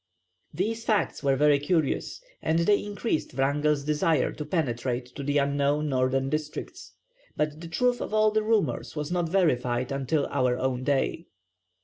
These facts were very curious, and they increased Wrangell's desire to penetrate to the unknown northern districts; but the truth of all the rumours was not verified until our own day.